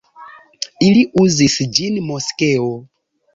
Ili uzis ĝin moskeo.